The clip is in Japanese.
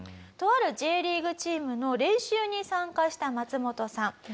とあるＪリーグチームの練習に参加したマツモトさん。